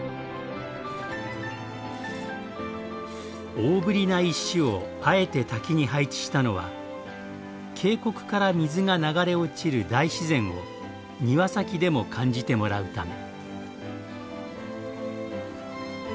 大ぶりな石をあえて滝に配置したのは「渓谷から水が流れ落ちる大自然」を庭先でも感じてもらうため。